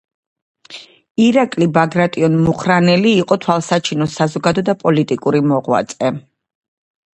ირაკლი ბაგრატიონ-მუხრანელი იყო თვალსაჩინო საზოგადო და პოლიტიკური მოღვაწე.